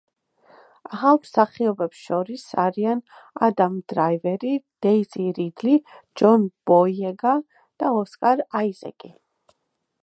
ახალ მსახიობებს შორის არიან ადამ დრაივერი, დეიზი რიდლი, ჯონ ბოიეგა და ოსკარ აიზეკი.